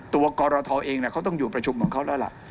กรทเองเขาต้องอยู่ประชุมของเขาแล้วล่ะ